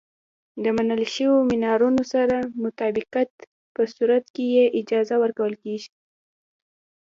د منل شویو معیارونو سره مطابقت په صورت کې یې اجازه ورکول کېږي.